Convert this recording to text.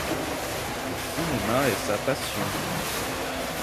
Le cinéma est sa passion.